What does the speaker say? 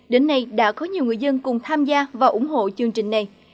đến nay đã có nhiều người dân cùng tham gia và ủng hộ chương trình này